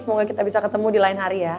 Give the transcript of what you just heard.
semoga kita bisa ketemu di lain hari ya